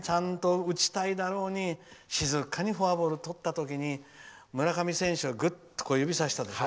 打ちたいだろうに静かにフォアボールをとった時に村上選手がぐっと指をさしたでしょ。